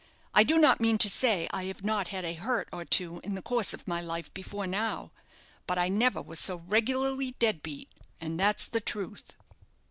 I don't mean to say I have not had a hurt or two in the course of my life before now, but I never was so regularly dead beat; and that's the truth."